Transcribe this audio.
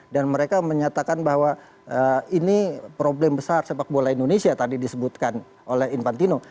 dan mereka menyatakan bahwa ini problem besar sepak bola indonesia tadi disebutkan oleh infantino